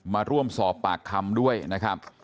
มาร่วมสอบปากคำด้วยนะครับ